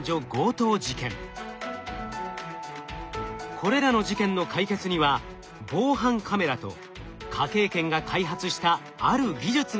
これらの事件の解決には防犯カメラと科警研が開発したある技術が役立っていました。